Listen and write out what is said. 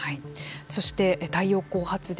そして太陽光発電